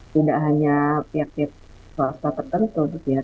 tidak hanya pihak pihak kota kota tertentu